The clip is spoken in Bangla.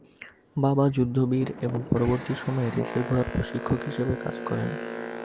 বাবা যুদ্ধবীর এবং পরবর্তী সময়ে রেসের ঘোড়ার প্রশিক্ষক হিসেবে কাজ করেন।